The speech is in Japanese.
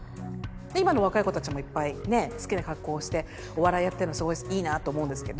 で今の若い子たちもいっぱいね好きな格好してお笑いやってんのをすごいいいなと思うんですけど。